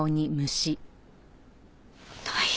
大変！